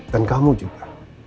dan kamu juga